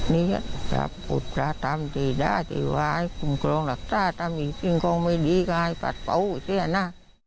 นี่ก็จะปฏิภัณฑ์ทำทีได้ทีไว้คุมครองหลักศาตรรษ์ทำอีกจริงคงไม่ดีก็ฮายปรัสเบาเสียนะ